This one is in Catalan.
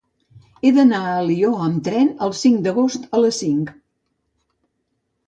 He d'anar a Alió amb tren el cinc d'agost a les cinc.